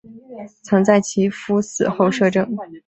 曾在其夫死后摄政。